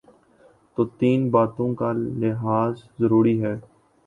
تو تین باتوں کا لحاظ ضروری ہے۔